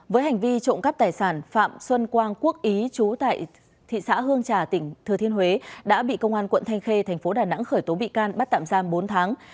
với hành vi trộm cắp tài sản phạm xuân quang quốc ý chú tại thị xã hương trà tỉnh thừa thiên huế đã bị công an quận thanh khê thành phố đà nẵng khởi tố bị can bắt tạm giam bốn tháng